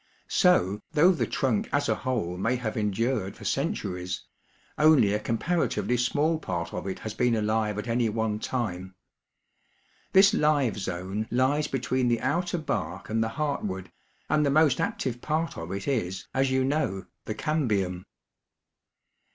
So, though the trunk as a whole may have endured for centuries, only a comparatively small part of it has been alive at any one time. This live zone lies be tween the outer bark and the heartwood, and the most active part of it is, as you know, the cambium.